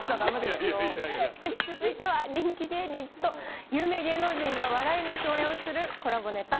続いては人気芸人と有名芸能人が笑いの共演をするコラボネタ。